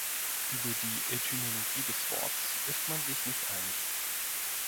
Über die Etymologie des Worts ist man sich nicht einig.